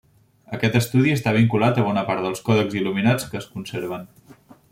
Aquest estudi està vinculat a bona part dels còdexs il·luminats que es conserven.